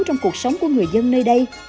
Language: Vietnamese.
trong cuộc sống của người dân nơi đây